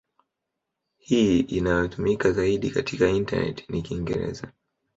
Hii inayotumika zaidi katika intaneti ni Kiingereza.